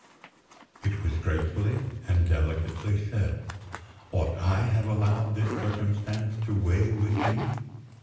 It was gratefully and delicately said. Ought I to have allowed this circumstance to weigh with me?